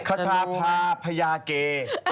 ขาชาภาพยาเกย์